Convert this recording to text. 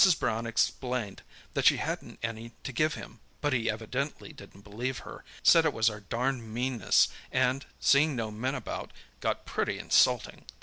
Brown explained that she hadn't any to give him; but he evidently didn't believe her, said it was our darned meanness and, seeing no men about, got pretty insulting.